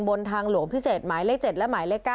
บนทางหลวงพิเศษหมายเลข๗และหมายเลข๙